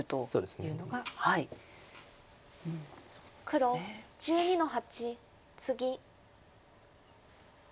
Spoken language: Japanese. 黒１２の八ツギ。